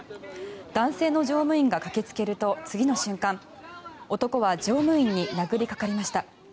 男性の乗務員が駆けつけると次の瞬間男は乗務員に殴りかかりました。